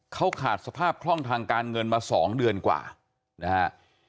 เขาขาดสภาพคล่องทางการเงินมา๒เดือนกว่านะฮะ